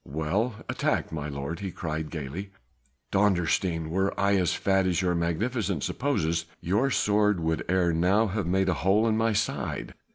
"Well attacked, my lord!" he cried gaily, "Dondersteen! were I as fat as your Magnificence supposes, your sword would ere now have made a hole in my side.